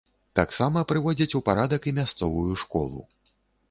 Таксама прыводзяць у парадак і мясцовую школу.